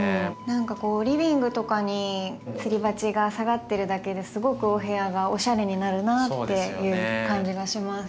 何かこうリビングとかにつり鉢が下がってるだけですごくお部屋がおしゃれになるなっていう感じがします。